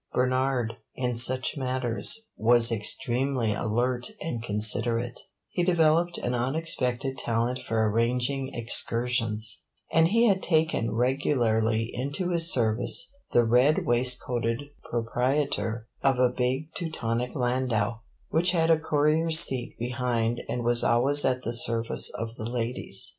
Bernard, in such matters, was extremely alert and considerate; he developed an unexpected talent for arranging excursions, and he had taken regularly into his service the red waistcoated proprietor of a big Teutonic landau, which had a courier's seat behind and was always at the service of the ladies.